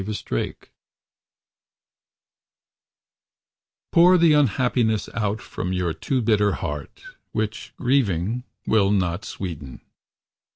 pdf Pour the unhappiness out From your too bitter heart. Which grieving will not sweeten.